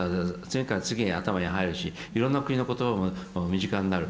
次から次に頭に入るしいろんな国の言葉も身近になる。